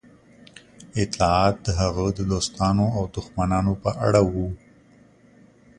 اطلاعات د هغه د دوستانو او دښمنانو په اړه وو